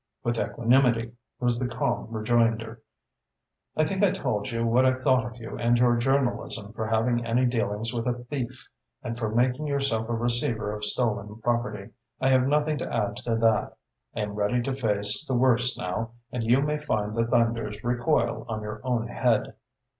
"With equanimity," was the calm rejoinder. "I think I told you what I thought of you and your journalism for having any dealings with a thief and for making yourself a receiver of stolen property. I have nothing to add to that. I am ready to face the worst now and you may find the thunders recoil on your own head."